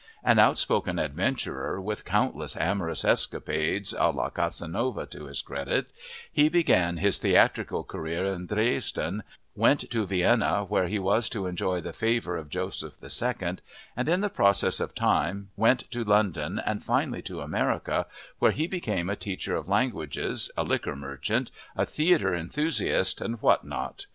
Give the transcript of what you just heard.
An outspoken adventurer, with countless amorous escapades à la Casanova to his credit, he began his theatrical career in Dresden, went to Vienna where he was to enjoy the favor of Joseph II, and in the process of time went to London and finally to America, where he became a teacher of languages, a liquor merchant, a theater enthusiast, and what not.